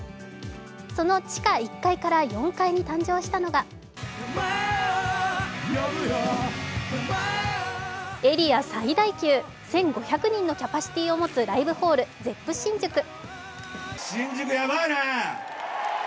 その地下１階から４階に誕生したのがエリア最大級１５００人のキャパシティーを持つライブホール・ＺｅｐｐＳｈｉｎｊｕｋｕ。